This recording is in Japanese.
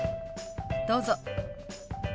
どうぞ。